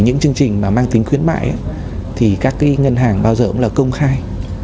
những chương trình mà mang tính khuyến mại thì các cái ngân hàng bao giờ cũng là công khai